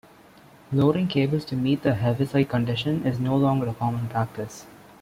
Loading cables to meet the Heaviside condition is no longer a common practice.